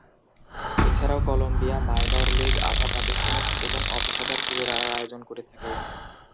এছাড়াও Columbia minor league, আধা-প্রাতিষ্ঠানিক এবং অপেশাদার ক্রীড়ার আয়োজন করে থাকে।